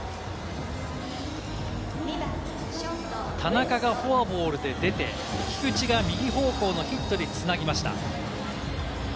田中がフォアボールで出て、菊池が右方向にヒットで繋ぎました。